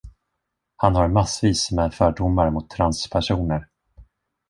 Han har massvis med fördomar mot transpersoner.